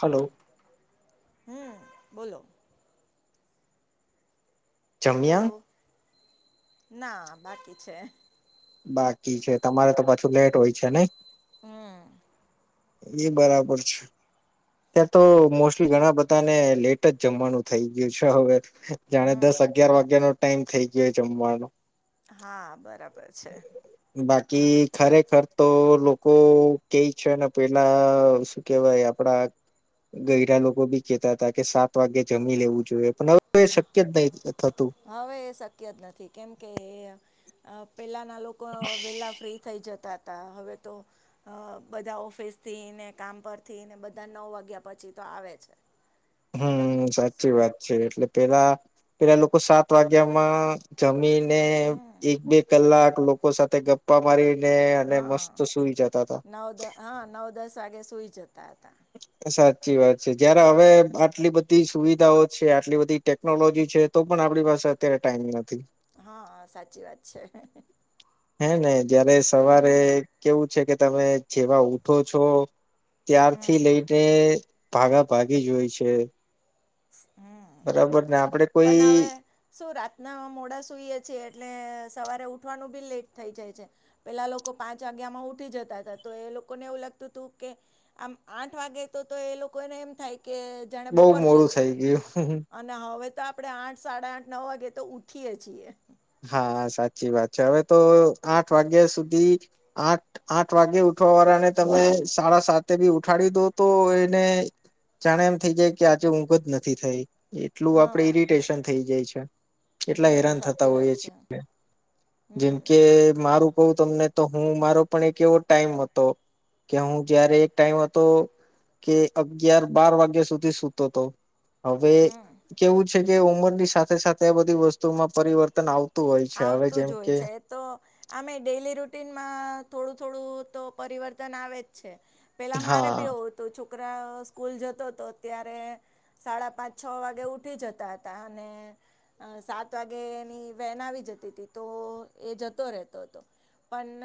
Hello. હમ્મ, બોલો. જમિયા? હલો ના બાકી છે. બાકી છે તમારે તો પાછું લેટ હોય છે નહીં? હમ્મ. ઈ બરાબર છે. ત્યાં તો મોસ્ટલી ઘણા બધાને લેટ જ જમવાનું થઈ ગયું છે હવે. જાણે દસ અગિયાર વાગ્યાનો ટાઈમ થઇ ગયો જમવાનો. હા, બરાબર છે. કે ખરેખર તો લોકો કેઈ છે ને પેલા શું કેવાય આપડા ગયડા લોકો બી કેતા હતા કે સાત વાગે જમી લેવું જોઈએ. પણ હવે શક્ય જ નહી થતું હ હવે એ શક્ય જ નથી કેમ કે આ પહેલાંના લોકો અહ વહેલાં ફ્રી થઈ જતા તા હવે તો અહ બધા ઓફિસ થીને કામ પરથીને બધા નવ વાગ્યા પછી તો આવે છે. હમ્મ, સાચી સો વાત છે. એટલે પેલા પેલા લોકો સાત વાગ્યા માં જમીને એક બે કલાક લોકો સાથે ગપ્પા મારી હા નવ દ હા નવ દસ વાગે સુઈ જતા હતા. ચી વાત છે. જયારે હવે આટલી બધી સુવિધાઓ છે આટલી બધી ટેકનોલોજી છે તો પણ આપડી પાસે અત્યારે ટાઈમ નથી. હા, સાચી વાત છે. હે ને જયારે સવારે કેવું છે કે તમે જેવા ઉઠો છો હમ ત્યારથી લઈને ભાગા ભાગી જોય છે. બરાબર. ને આપડે પણ કોઈ હવે શું રાતના મોડા સુઈએ છીએ એટલે સવારે ઉ ઠવાનું બી લેટ થઈ જાય છે પેલા લોકો પાંચ વાગ્યા માં ઉઠી જતા હતા તો એ લોકોને એવું લાગતું તું કે આમ આઠ વાગે તો તો એ લોકોને એમ થાય કે જાણે બઉ બપોર થઈ મોડું ગઈ. થઈ ગયું. તા આપડે આઠ સાડા આઠ નવ વાગે તો ઉઠીએ છીએ. હા, સાચી વાત છે. હવે તો આઠ વાગ્યા સુધી આઠ આઠ વાગ્યા ઉ ઉઠવા વાળાને તમે સાડા સાતે બી ઉઠાડી દો તો એને જાણે એમ થઇ જાય કે આજે ઊંઘ જ નથી થઈ. એટલું આપડે હા ઈરિટેશન થઇ જાય છે. એટલા હમ હેરાન થ તો સાચી વાત હોએ છે. જેમ હમ કે મારું કઉં તમને તો હું મારો પણ એક એવો ટાઈમ હતો કે હું જયારે એક ટાઈમ હતો કે અગિયાર બાર વાગ્યા સુધી સુતો તો. હવે હમ કેવું છે કે ઉંમરની સાથે સાથે આ બધી વસ્તુમાં પરિવર્તન આવ આવતું જ હોય છે તો અમે ડેલી રૂટીનમાં થોડું થોડું તો પરિવર્તન આવે જ છે પેલા મારે હા બી એવું થું છો કરા સ્કૂલ જતો તો ત્યારે સાડા પાંચ છો વાગે ઉઠી જતા હતા અને અહ સાત વાગે એની વેન આવી જતી તી તો એ જતો રહેતો હતો. પણ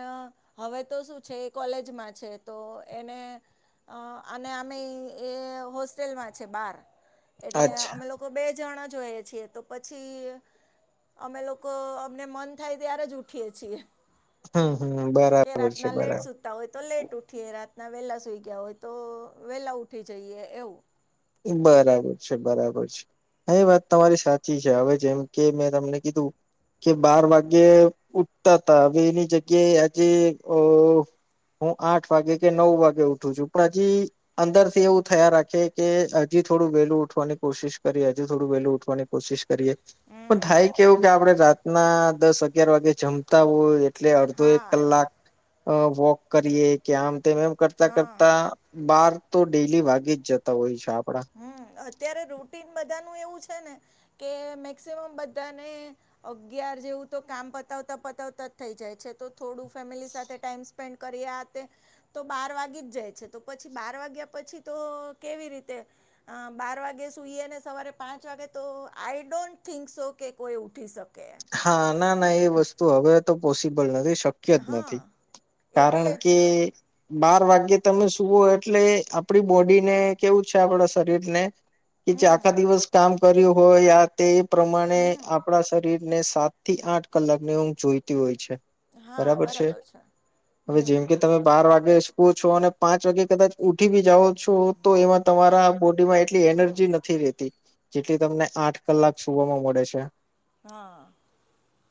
હવે તો શું છે એ કોલેજમાં છે તો એને અહ અને અમે એ હોસ્ટેલમાં છે બાર એટલે અચ્છા અમે લોકો બે જણા જોઈએ છીએ તો પછી અમે લોક કો અમને મન થાય ત્યારે જ ઉઠીએે છીએ. હમ્મ, હમ્મ કે બરાબર છે રાતના લેટ બરા સુતા હોય તો લેટ ઉઠીએ રાતના વેલા સુઈ ગયા હોય તો વેલા ઉઠી જઈએ એવું. બરાબર છે બરાબર છે. હા, એ વાત તમારી સાચી છે. હવે જેમ કે મેં તમને કીધું કે બાર વાગ્યે ઉઠતા હતા. હવે એની જગ્યાએ આજે અઅ હું આઠ વાગે કે નવ વાગે ઉઠું છું પણ હજી અંદર થી એવું થયા રાખે કે હજી થોડું વેલું ઉઠવાની કોશિશ કરીએ, હજુ થોડું વેલું ઉઠવાની કોશિશ કરીએ. પણ થાય હમ કેવું કે આપડે રાતના દસ અગિયાર વાગે જમતા હોય એટલે અડધો એક હા અ કલાક વોક કરીએ કે આમ તેમ એમ કરતા હા કરતા બાર તો ડેલી વાગી જ જતા હોય છે આપ હમ્મ. અત્યારે રૂટીન બધાનું એવું છે ને [inaudible] કે મેક્સિમમ બધાને અગિયાર જેવું તો કામ પતાવતા પતાવતા જ થઈ જાય છે તો થોડું ફેમિલી સાથે ટાઈમ સ્પેન્ડ કરીયે આ તે તો બાર વાગી જ જાય છે તો પછી બાર વાગ્યા પછી તો કેવી રીતે અ બાર વાગે સુઈએ ને સવારે પાંચ વાગે તો આઈ ડોન્ટ થિંક સો કે કોઈ ઉઠી શ હા. ના ના એ વસ્તુ હવે તો પોસિબલ નથી. શક્ય જ નથી. હા કારણ એટલે જ કે તો બાર વાગ્યે તમે સુુઓ એટલે આપડી બોડીને કેવું છે આપડા શરીરને કે જે હમ આખા દિવસ કામ કર્યું હોય આ તે પ્રમાણે હમ આપણા શરીર ને સાત થી આઠ કલાકની ઊંઘ જોઈતી હોય છે. બરાબર છે? હવે હમ જેમ કે તમે બાર વાગ બે સ્કો છો અને અને પાંચ વાગે કદાચ ઉઠી બી જાઓ છો તો એમાં તમારા બોડીમાં એટલી હમ એનર્જી નથી રેતી જેટલી તમને આઠ કલાક સુવામાં મળે છે. હાઅ.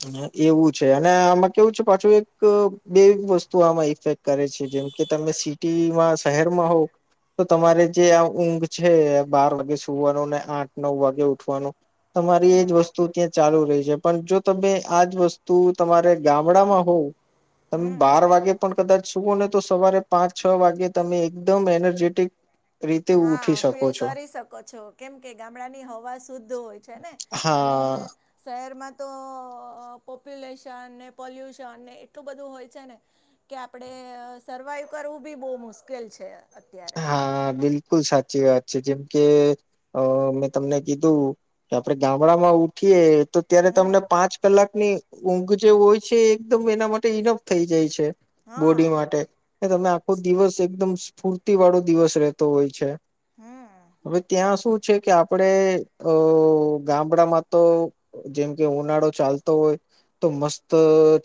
અને એવું છે અને આમાં કેવું છે પાછું એક બે વસ્તુ આમાં ઇફેક્ટ કરે છે. જેમ કે તમે સિટીમાં શહેરમાં હો તો તમારે જે આ ઊંઘ છે બાર વાગે સુવાનું ને આઠ નવ વાગે ઉઠવાનું તમારી એજ વસ્તુ ત્યાં ચાલુ રહે છે પણ જો તમે આજ વસ્તુ તમારે ગામડામાં હોવ તમે બાર વાગે પણ કદાચ સુવો ઓ ને તો સવારે પાંચ છ વાગે તમે એકદમ એનર્જેટિક રીતે ઉઠી હા, શકો ફીલ છો કરી શકો છો. કેમ કે ગામડાની હવા શુદ્ધ હોય છે ને અને હા. શહેરમાં તો અઅ પોપ્યુલેશન ને પોલ્યુશન ને એટલું બધું હોય છે ને કે આપડે સર્વાઈવ કરવું બી બો મુશ્કેલ છે. અત્યારે હા, બિલ બિલકુલ સાચી વાત છે. જેમ કે અ મેં તમને કીધું કે આપણે ગામડામાં ઉઠી એ તો ત્યારે હમ તમને પાંચ કલાકની ઊંઘ જે હોય છે એકદમ એના માટે ઇનફ થઈ જાય છે હા બોડી માટે ને તમે આખો દિવસ એકદમ સ્ફૂર્તિ વાળો દિવસ રહેતો હોય છે. હમ હવે ત્યાં શું છે કે આપડે અઅ ગામડામાં તો જેમ કે ઉનાળો ચાલતો હોય તો મસ્ત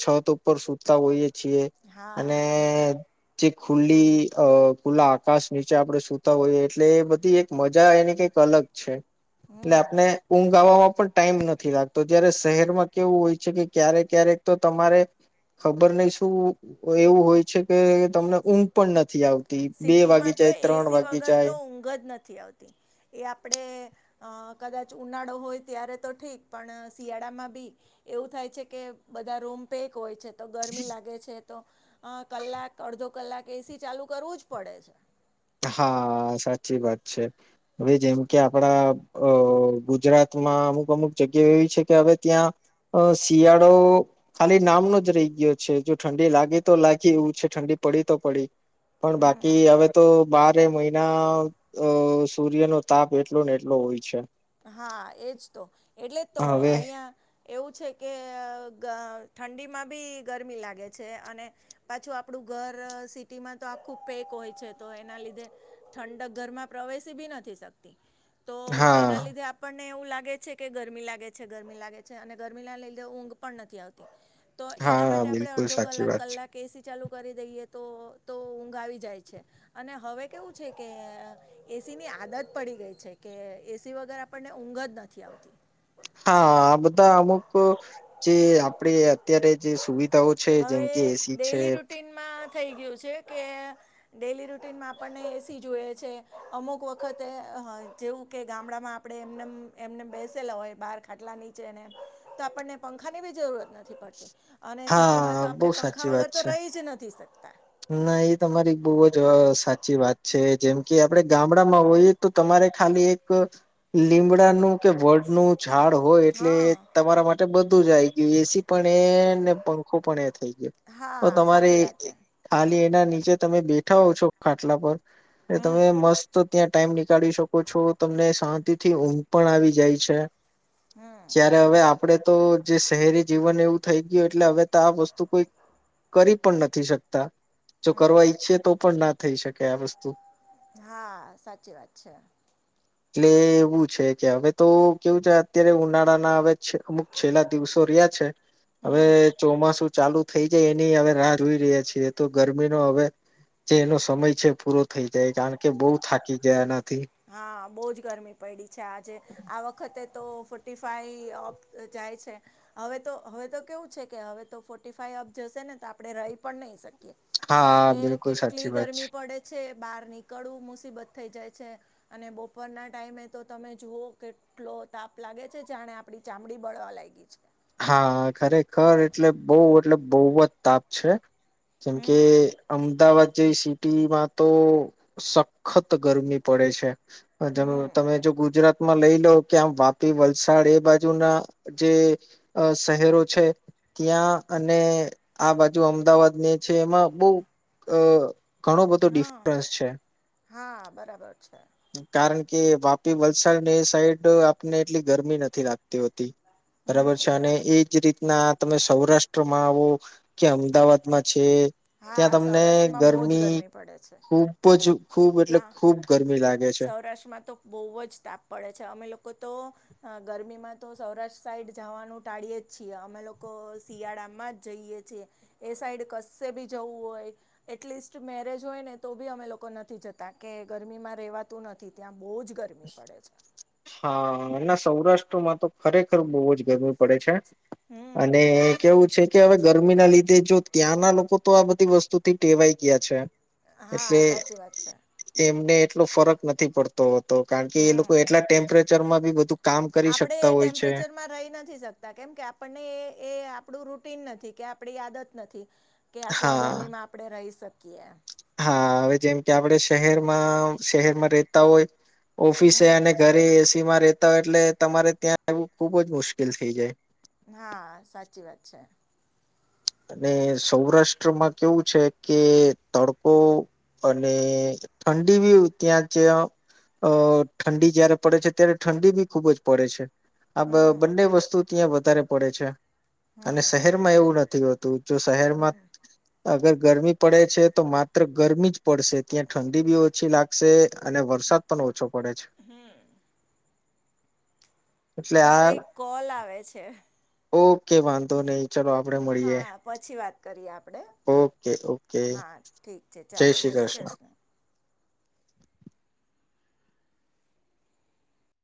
છત ઉપર સુતા હોઈએ છીએ અને હા બરાબર જે ખુલ્લી અ ખુલ્લા આકાશ નીચે આપણે સૂતા હોઈએ. એટલે એ બધી એક મજા એની કઈક અલગ છે. હમ એટલે આપને ઊંઘ આવામાં પણ ટાઈમ નથી લાગતો જયારે શહેરમાં કેવું હોય છે કે ક્યારે ક્યારેક તો તમારે ખબર નહીં શું એવું હોય છે કે તમને ઊંઘ પણ નથી આવતી. બે વાગી સિટીમાં તો જાય ત્રણ એસી વાગી વગર જાય તો ઊંઘ જ નથી આવતી એ આપડે અ કદાચ ઉનાળો હોય ત્યારે તો ઠીક પણ શિયાળામાં બી એવું થાય છે કે બધા રૂમ પેક હોય છે તો ગરમી લાગે છે તો અ કલાક અડધો કલાક એસી ચાલુ કરવું જ પડે છે. હા સાચી વાત છે. હવે જેમ કે આપડા અહ ગુજરાત માં અમુક અમુક જગ્યાઓ એવી છે કે હવે ત્યાં અહ શિયાળો ખાલી નામનો જ રહી ગયો છે. જો ઠંડી લાગે તો લાગી એવું છે ઠંડી પડી તો પડી પણ બાકી હવે તો બારે મહિના અહ સૂર્ય નો તાપ એટલો ને એટલો હોય છે. હા, એજ તો એટલે તો હવે અહિયાં એવું છે કે અહ ગ ઠંડીમાં બી ગરમી લાગે છે. અને પાછું આપડું ઘર સિટીમાં તો આખું પેક હોય છે તો એના લીધે ઠંડક ઘરમાં પ્રવેશી બી ન થી શકતી. તો હા. એના લીધે આ પણ ને એવું લાગે છે. કે ગરમી લાગે છે ગરમી લાગે છે. અને ગરમી ના લીધે ઊંઘ પણ નથી આવતી. તો એના હા માટે આપડે બિલકુલ અડધો સાચી કલાક વાત છે કલાક એ સી ચાલું કરી દઈએ તો તો ઊંઘ આવી જાય છે. અને હવે કેવું છે કે અહ એ સી ની આદત પડી ગઈ છે. કે એ સી વગર આપણને ઊંઘ જ નથી આવતી. હા, આ બધા અમુક જે આપડી અત્યારે જે સુવિધાઓ છે જેમ હવે કે એ સી છે ડેલી રૂટીનમાં થઈ ગયું છે. કે ડેલી રૂટીનમાં આપણને એ સી જોએ છે. અમુક વખતે હા જેવું કે ગામડામાં આપડે એમ નેમ એમને બેસેલા હોય બહાર ખાટલા નીચે ને એ તો આપણને પંખા ની બી જરૂરત નથી પડતી અને સિટીમાં હા તો બહુ આપડે પંખા સાચી વગર વાત તો છે. રહી જ નથી શકતા. ના એ તમારી બહુ જ અહ સાચી વાત છે જેમ કે આપડે ગામડામાં હોઈએ તો તમાર એક ખાલી એક લીમડાનું તે વડ નું ઝાડ હોય એટલે હા તમારા માટે બધું જ આઈ ગયું એ સી ને ને પંખો પણ એ થઈ ગયો તો હા તમારે સાચી વાત છે કે એના નીચે તમે બેઠા હો છો ખાટલા પર એ હમ તમે મસ્ત ત્યાં ટાઈમ નીકાળી શકો છો તમને શાંતિ થી ઊંઘ પણ આવી જાય છે. હમ ત્યારે હવે આપડે તો જે શહેરી જીવન એવું થઈ ગયું એટલે હવે તો આ વસ્તુ કોઈ કરી પણ નથી શકતા. જો કરવા ઇકછે તો પણ ના થઈ શકે આ વસ્તુ. હા, સાચી વાત છે. એટલે એવું છે કે હવે તો કેવું છે અત્યારે ઉનાળાના હવે છે અમુક છેલ્લા દિવસો રહ્યા છે હવે હમ ચોમાસું ચાલુ થઈ જાય એની હવે રાહ જોઈ રહ્યા છીએ. તે તો ગરમીનો હવે જે એનો સમય છે પૂરો થઈ જાય કારણ કે બઉુ થાકી ગયા ન હા, બહુ જ ગરમી પડી છે આજે આ વખતે તો ફોર્ટી ફાઈ ઓફ જાય છે. હવે હવે તો કેવું છે કે હવે તો ફોર્ટી ફાઈ તાપ જશે ને તો આપડે રાહી પણ નહીં શક કે હા કે બિલકુલ સાચી કેટલી વાત છે ગરમી પડે છે બહાર નીકળવું મુસીબત થઈ જાય છે. અને બપોરના ટાઈમે તો તમે જુઓ કેટલો તાપ લાગે છે જાણે આપડી ચામડી બળવા લાયગી છે. હા, ખરેખર એટલે બહુ, એટલે બહુ જ તાપ છે. જેમ કે હમ અમદાવાદ જે સિટીમાં તો સખત ગરમી પડે છે. હમ તમે જો ગુજરાત માં લઈ લો કે આમ વાપી, વલસાડ એ બાજુ ના જે અ શહેરો છે, ત્યાં અને આ બાજુ અમદાવાદની છે, એમાં બહુ અ ઘણો બધો હા ડિફરન્સ છે. હા બરાબર છે કારણ કે કે વાપી, વલસાડ એ સાઈડ આપને એટલી ગરમી નથી લાગતી હોતી. બરાબર. હમ એજરીતના તમે સૌરાષ્ટ્રમાં આવો કે અમદાવાદમાં છે. ત્યાં હા તમને સૌરાષ્ટ્રમાં બહુ જ ગરમી પડે છે ખુબ જ ખૂબ એટલે ત્યાં ખૂબ ગરમી લાગે છે. સૌરાષ્ટ્રમાં તો બો જ તાપ પડે છે અમે લોકો તો હ ગરમીમાં તો સૌરાષ્ટ્ર સાઈડ જવાનું ટાળીએ જ છીએ. અમે લોકો શિયાળામાં જ જઈએ. એ સાઈડ કશે બી જવું હોય એટલીસ્ટ મેરેજ હોય ને તો બી અમે લોકો નથી જતા. કાર કે ગરમીમાં રેવાતું નથી ત્યાં બહુ જ ગરમી પડે છે. હા ના સૌરાષ્ટ્રમાં તો ખરેખર બહુ જ ગરમી પડે છે, હમ અને કેવું છે. કે હવે ગરમી ના લીધે જો ત્યાંના લોકો તો આ બધી વસ્તુ થી ટેવાઈ ગયા છે. એટલે હા સાચી વાત છે એમને એટલો ફરક નથી પડતો તો. તો કારણ કે એ લોકો એટલા ટેમ્પરેચર માં બી બધું કામ કરી આપડે એ શકતા હોય છે ટેમ્પરેચરમાં રહી નથી શકતા કેમ કે, આપણને એ આપડું રૂ નથી કે આપડી યાદત નથી કે આટલા હા ગરમીમાં આપણે રહી શકીએ એમ હા હવે જેમ કે આપણે શહેરમાં, શહેરમાં રતા હોય ઓફિસે અને હમ ઘરે એસી માં રેતા હોય એટલે તમારે ત્યાં આવ ખુબ જ મુશ્કેલ થઇ જાય. હા સાચી વાત છે. અને સૌરાષ્ટ્રમાં કેવું છે કે તડકો અને ઠંડી બી ત્યાં જ અ ઠંડી જયારે પડે છે ત્યારે ઠંડી બી ખુબ જ પડે છે. આ બ હમ બંને વસ્તુ ત્યાં વધારે પડે છે અને હમ શહેરમાં એવું નથી હોતું. તું જો શહેરમાં હમ અગર ગરમી પડે છે તો માત્ર ગરમી જ પડશે ત્યાં ઠંડી બી ઓછી લાગશે અને વરસાદ પણ ઓછો પડે છે. એટલે મારે આ એક કોલ આવે છે. ઓકે વાંધો નહીં. ચાલો આપ હા પછી વાત કરીએ આપડે. ઓકે ઓકે હા ઠીક છે. ચાલો જય શ્રી ક્ર્ષ્ણ. [inaudible]